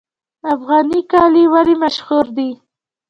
افغاني کالي ولې مشهور دي؟